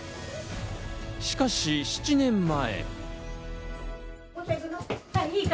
しかし、７年前。